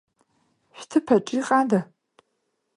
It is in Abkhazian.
Шәҭыԥ аҿы иҟада?